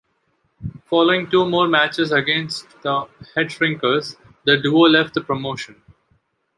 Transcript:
Following two more matches against The Headshrinkers the duo left the promotion.